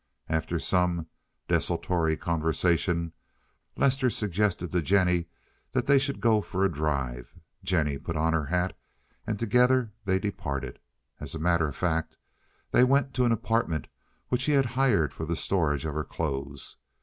After some desultory conversation Lester suggested to Jennie that they should go for a drive. Jennie put on her hat, and together they departed. As a matter of fact, they went to an apartment which he had hired for the storage of her clothes.